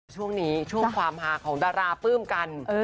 ช่วงนี้ช่วงความหาของดาราปลื้มกัน